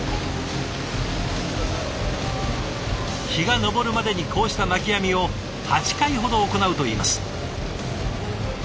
日が昇るまでにこうした巻き網を８回ほど行うといいます。